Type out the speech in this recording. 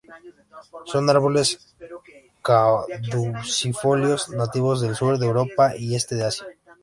Son árboles caducifolios nativos del sur de Europa y este de Asia.